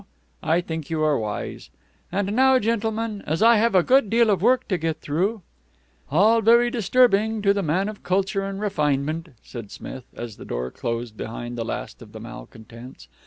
I think you are wise. And now, gentlemen, as I have a good deal of work to get through "All very disturbing to the man of culture and refinement," said Smith, as the door closed behind the last of the malcontents.